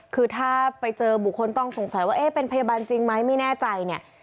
คือถ้าไปเจอบุคคลต้องสงสัยว่าเอ๊ะเป็นพยาบาลจริงไหมไม่แน่ใจเนี่ย